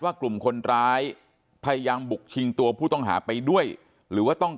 กลุ่มคนร้ายพยายามบุกชิงตัวผู้ต้องหาไปด้วยหรือว่าต้อง